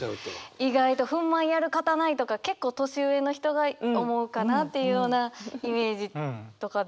意外と「憤懣やるかたない」とか結構年上の人が思うかなっていうようなイメージとかで。